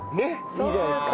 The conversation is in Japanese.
いいじゃないですか。